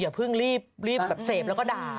อย่าเพิ่งรีบเสพแล้วก็ด่า